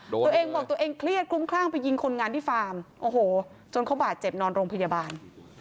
ตัวเองบอกตัวเองเครียดคลุ้มคลั่งไปยิงคนงานที่ฟาร์มโอ้โหจนเขาบาดเจ็บนอนโรงพยาบาล